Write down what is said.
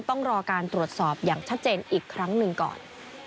ต้องรอการตรวจสอบอย่างชัดเจนอีกครั้งหนึ่งก่อน